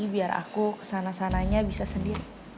biar aku kesana sananya bisa sendiri